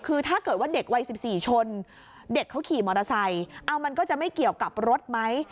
เอามันก็จะไม่เกี่ยวกับรถไหม